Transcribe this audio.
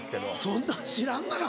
そんなん知らんがな。